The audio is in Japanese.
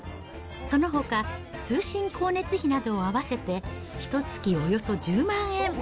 そのほか、通信光熱費などを合わせて、ひとつきおよそ１０万円。